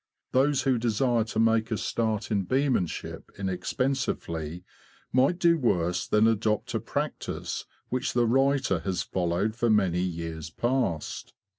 Those who desire to make a start in beemanship inexpensively might do worse than adopt a practice which the writer has followed for many years past.